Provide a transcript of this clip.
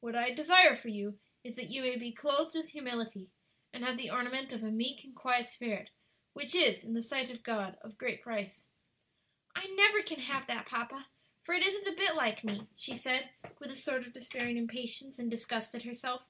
What I desire for you is that you may 'be clothed with humility,' and have 'the ornament of a meek and quiet spirit, which is, in the sight of God, of great price.'" "I never can have that, papa, for it isn't a bit like me," she said, with a sort of despairing impatience and disgust at herself.